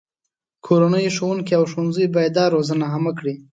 کورنۍ، ښوونکي، او ښوونځي باید دا روزنه عامه کړي.